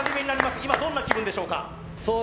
今どんな気分でしょうか？